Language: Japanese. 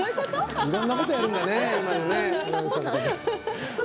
いろんなことやるんですね。